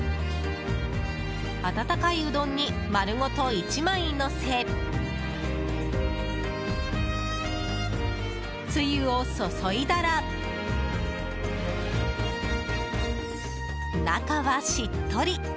温かいうどんに丸ごと１枚のせつゆを注いだら中はしっとり。